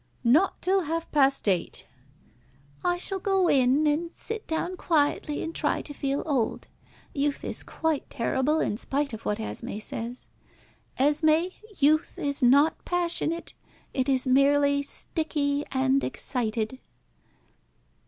"Not till half past eight." "I shall go in, and sit down quietly and try to feel old. Youth is quite terrible, in spite of what Esmé says. Esmé, youth is not passionate; it is merely sticky and excited."